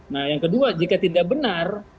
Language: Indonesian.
nah yang kedua jika tidak benar